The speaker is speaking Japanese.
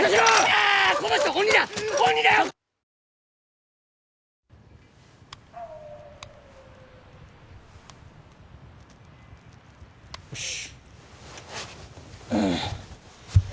よし。